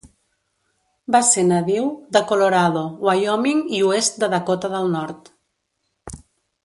Va ser nadiu de Colorado, Wyoming i oest de Dakota del Nord.